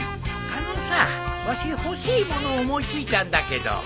あのさわし欲しい物を思い付いたんだけど。